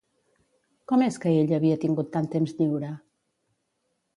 Com és que ella havia tingut tant temps lliure?